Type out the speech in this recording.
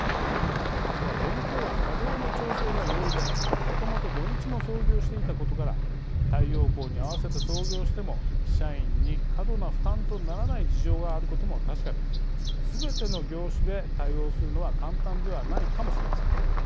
ただ電気炉は稼働の調整が容易でもともと土日も操業していたことから太陽光に合わせて操業しても社員に過度な負担とならない事情があることも確かですべての業種で対応するのは簡単ではないかもしれません。